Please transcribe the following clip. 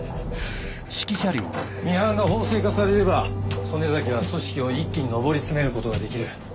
ミハンが法制化されれば曽根崎は組織を一気に上り詰めることができる。